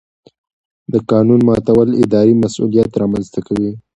د قانون ماتول اداري مسؤلیت رامنځته کوي.